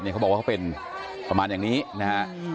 เขาบอกว่าเขาเป็นประมาณอย่างนี้นะฮะ